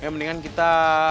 ya mendingan kita